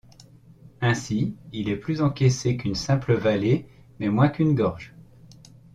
Ainsi, il est plus encaissé qu'une simple vallée mais moins qu'une gorge.